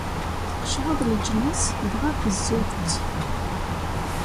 Tqeccɛeḍ leǧnas, dɣa teẓẓiḍ-tt.